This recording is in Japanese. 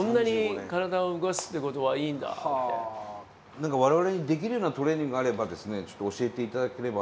何か我々にできるようなトレーニングがあればですねちょっと教えて頂ければ。